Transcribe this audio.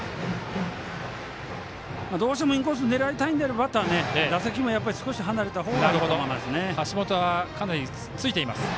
どうしてもインコースを狙いたいのであればバッターは打席も少し離れたほうがいいかも分からないですね。